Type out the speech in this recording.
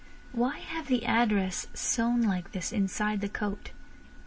Why have the address sewn like this inside the coat?